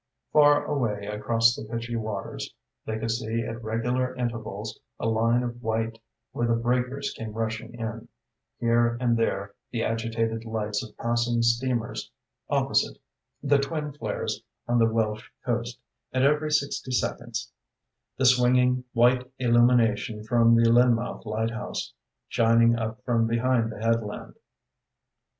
Far away across the pitchy waters they could see at regular intervals a line of white where the breakers came rushing in, here and there the agitated lights of passing steamers; opposite, the twin flares on the Welsh coast, and every sixty seconds the swinging white illumination from the Lynmouth Lighthouse, shining up from behind the headland.